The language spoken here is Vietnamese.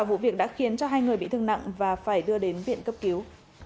vụ việc đã khiến hai người bị thương nặng và phải đưa đến viện cấp cứu